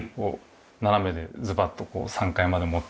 斜めでズバッとこう３階まで持ってくると。